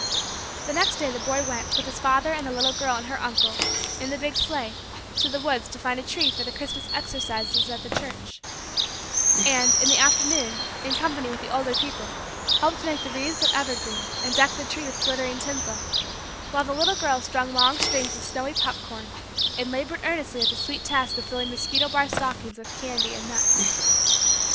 The next day the boy went, with his father and the little girl and her uncle, in the big sleigh, to the woods to find a tree for the Christmas "exercises" at the church; and, in the afternoon, in company with the older people, helped to make the wreaths of evergreen and deck the tree with glittering tinsel; while the little girl strung long strings of snowy pop corn and labored earnestly at the sweet task of filling mosquito bar stockings with candy and nuts.